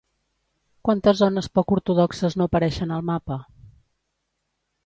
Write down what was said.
Quantes zones poc ortodoxes no apareixen al mapa?